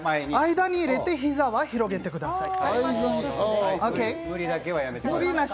間に入れて膝は広げてください。